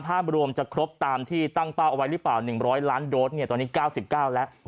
ภาพรวมจะครบตามที่ตั้งเป้าเอาไว้หรือเปล่า๑๐๐ล้านโดสตอนนี้๙๙แล้ว